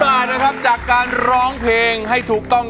๑๐๐๐๐๐บาทครับจากการร้องเพลงให้ถูกต้อง